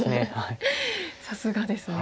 さすがですね。